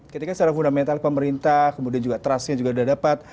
ketika secara fundamental pemerintah kemudian juga trustnya juga sudah dapat